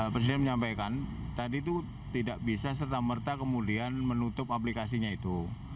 presiden menyampaikan tadi itu tidak bisa serta merta kemudian menutup aplikasinya itu